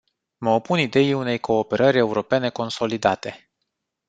Mă opun ideii unei cooperări europene consolidate.